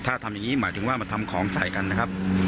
ถ้าทำอย่างนี้หมายถึงว่ามาทำของใส่กันนะครับ